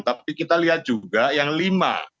tapi kita lihat juga yang lima